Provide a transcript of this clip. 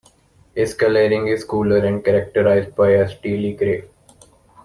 His colouring is colder and characterized by a steely grey.